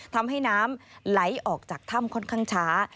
ทำให้น้ำไหลออกจากถ้ำค่อนข้างช้า